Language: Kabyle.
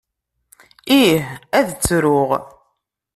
Ih, ad ttruɣ.